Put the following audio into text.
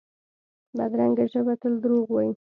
بدرنګه ژبه تل دروغ وايي